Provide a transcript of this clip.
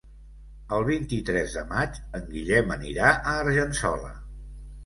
El vint-i-tres de maig en Guillem anirà a Argençola.